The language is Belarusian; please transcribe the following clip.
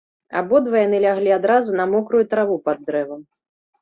Абодва яны ляглі адразу на мокрую траву пад дрэвам.